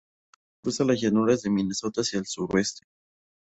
Cruza las llanuras de Minnesota hacia el sureste.